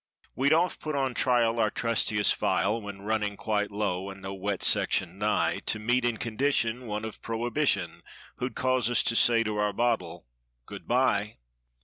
We've oft put on trial our trustiest phial When running quite low and no "wet" section nigh, To meet, in condition, one of prohibition Who'd cause us to say to our bottle—'Good bye.